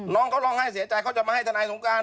น้องเขาร้องไห้เสียใจเขาจะมาให้ทนายสงการ